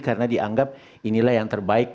karena dianggap inilah yang terbaik